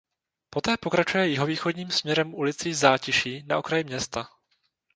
Poté pokračuje jihovýchodním směrem ulicí "Zátiší" na okraj města.